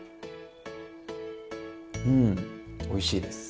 うんおいしいです。